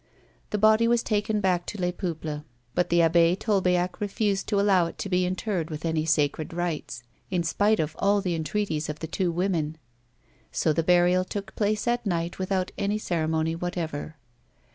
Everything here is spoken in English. The body was taken back to Les Peuples, but the Abb6 Tolbiac refused to allow it to be interred 210 A WOMAN'S LIFE. with any sacred rites, in spite of all the entreaties of the two women, so the burial took place at night without any ceremony whatever.